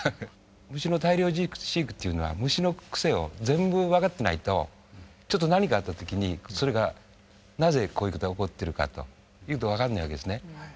虫の大量飼育っていうのは虫の癖を全部分かってないとちょっと何かあった時にそれがなぜこういうことが起こってるかと分かんないわけですね。